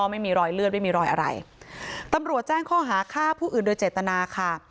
ไม่มีรอยเลือดไม่มีรอยอะไรตำรวจแจ้งข้อหาฆ่าผู้อื่นโดยเจตนาค่ะ